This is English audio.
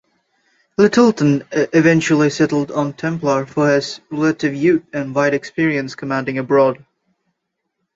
Lyttelton eventually settled on Templer for his relative youth and wide experience commanding abroad.